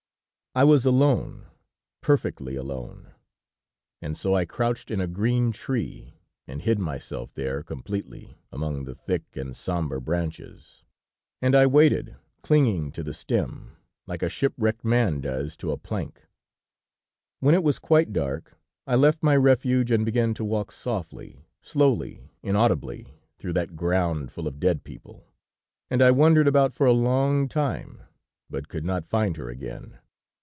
"I was alone, perfectly alone, and so I crouched in a green tree, and hid myself there completely among the thick and somber branches, and I waited, clinging to the stem, like a shipwrecked man does to a plank. "When it was quite dark, I left my refuge and began to walk softly, slowly, inaudibly, through that ground full of dead people, and I wandered about for a long time, but could not find her again.